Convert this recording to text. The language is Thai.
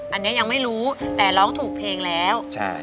อันนี้ยังไม่รู้แต่ร้องถูกเพลงแล้วใช่